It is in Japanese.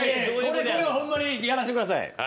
これはホンマにやらせてください。